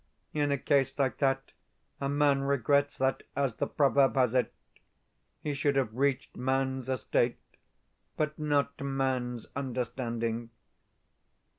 In a case like that a man regrets that, as the proverb has it, he should have reached man's estate but not man's understanding....